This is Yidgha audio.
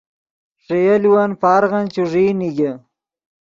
ݰے یولون پارغن چوݱیئی نیگے